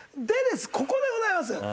でここでございます。